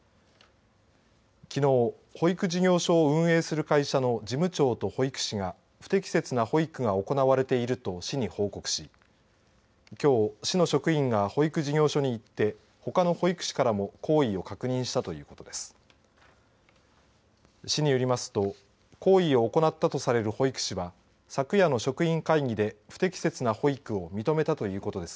きのう、保育事業所を運営する会社の事務長と保育士が不適切な保育が行われていると市に報告しきょう、市の職員が保育事業所に行ってほかの保育士からも行為を確認したということです。